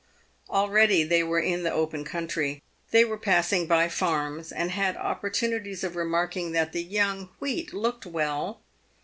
Already they were in the open country. They were passing by farms, and had opportunities of remarking that the young wheat looked well.